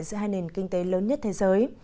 giữa hai nền kinh tế lớn nhất thế giới